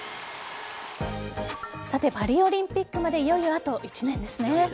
パリオリンピックまでいよいよあと１年ですね。